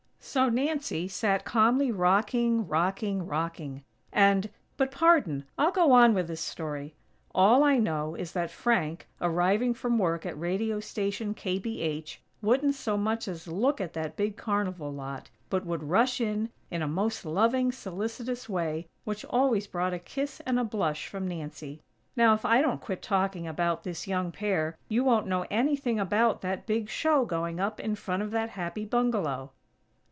So Nancy sat calmly rocking, rocking, rocking, and, but, pardon! I'll go on with this story. All I know is that Frank, arriving from work at Radio Station KBH, wouldn't so much as look at that big carnival lot, but would rush in, in a most loving, solicitous way which always brought a kiss and a blush from Nancy. Now if I don't quit talking about this young pair you won't know anything about that big show going up in front of that happy bungalow.